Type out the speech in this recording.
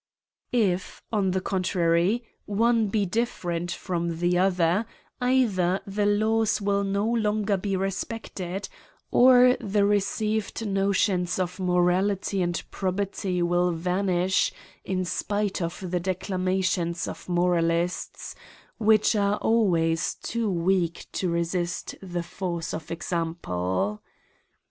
If, on the contrary, one be different from the other, either the laws will no longer be respected, or the received notions of morality and probity will vanish, in spite of the " declamations of moralists, which are always too weak to resist the force of example.